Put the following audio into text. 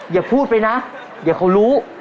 อย่าพูดไปนะเดี๋ยวเขารู้